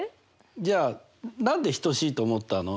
じゃあ何で等しいと思ったの？